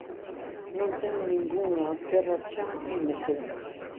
Non ten ningunha terra cha nin mesetas.